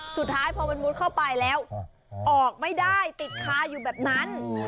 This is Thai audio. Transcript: สุดท้ายพอมันมุดเข้าไปแล้วออกไม่ได้ติดคาอยู่แบบนั้น